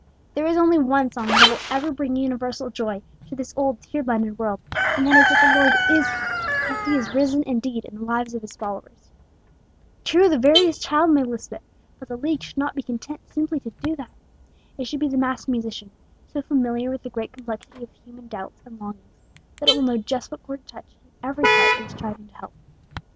There is only one song that will ever bring universal joy to this old, tear blinded world, and that is that the Lord is come, and that he is risen indeed in the lives of his followers. True, the veriest child may lisp it; but the League should not be content simply to do that. It should be the master musician, so familiar with the great complexity of human doubts and longings, that it will know just what chord to touch in every heart it is striving to help.